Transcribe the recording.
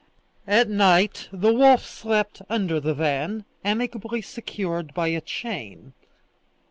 At night the wolf slept under the van, amicably secured by a chain.